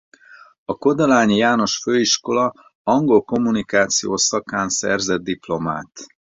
A Kodolányi János Főiskola angol–kommunikáció szakán szerzett diplomát.